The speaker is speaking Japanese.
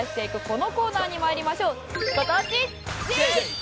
このコーナーに参りましょう。